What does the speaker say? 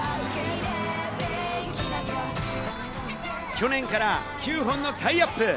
去年から９本のタイアップ！